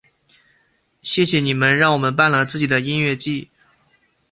谢谢你们让我们办了自己的音乐祭！